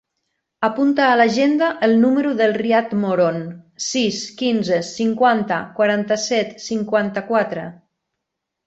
Apunta a l'agenda el número del Riad Moron: sis, quinze, cinquanta, quaranta-set, cinquanta-quatre.